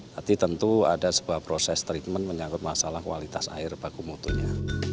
tapi tentu ada sebuah proses treatment menyangkut masalah kualitas air baku mutunya